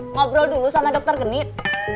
ngobrol dulu sama dokter genit